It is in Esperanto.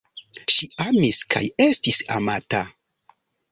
Ŝi amis kaj estis amata.